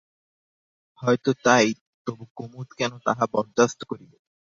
হয়তো তাই, তবু কুমুদ কেন তাহা বরদাস্ত করিবে?